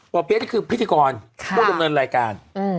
เปี๊ยกนี่คือพิธีกรผู้ดำเนินรายการ